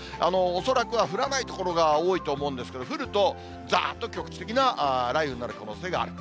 恐らくは降らない所が多いと思うんですけれども、降るとざーっと局地的な雷雨になる可能性がある。